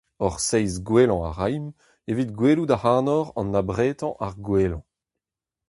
Hor seizh gwellañ a raimp evit gwelout ac'hanoc'h an abretañ ar gwellañ.